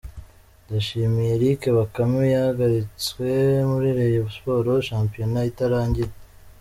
Ndayishimiye Eric Bakame yahagaritswe muri Rayon Sports Shampiona itarangiye.